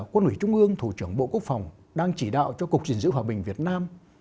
quân ủy trung ương thủ trưởng bộ quốc phòng đang chỉ đạo cho cục gìn giữ hòa bình việt nam